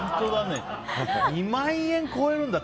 ２万円超えるんだ。